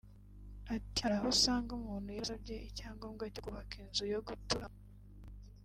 Ati “Hari aho usanga umuntu yarasabye icyangombwa cyo kubaka inzu yo guturamo